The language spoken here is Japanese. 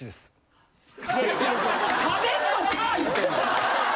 食べんのか言うてんねん！